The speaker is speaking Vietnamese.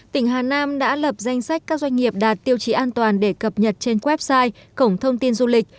tỉnh hà nam đã lập danh sách các doanh nghiệp đạt tiêu chí an toàn để cập nhật trên website cổng thông tin du lịch